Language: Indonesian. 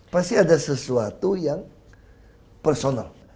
pasti ada sesuatu yang personal